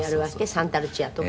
『サンタ・ルチア』とか。